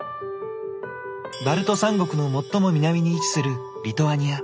バルト三国の最も南に位置するリトアニア。